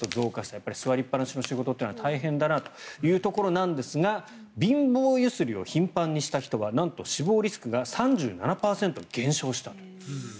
やっぱり座りっぱなしの仕事は大変だなというところなんですが貧乏揺すりを頻繁にした人はなんと死亡リスクが３７％減少したと。